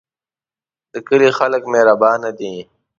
د کلی خلک مهربانه دي